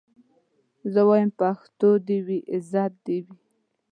زه وايم پښتو دي وي عزت دي وي